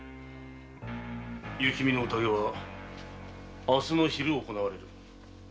雪見の宴は明日の昼に行われる。